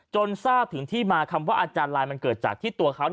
ทราบถึงที่มาคำว่าอาจารย์ลายมันเกิดจากที่ตัวเขา